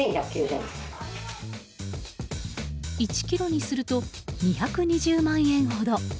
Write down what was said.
１ｋｇにすると２２０万円ほど。